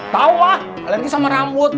tau ah alergi sama rambut